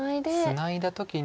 ツナいだ時に。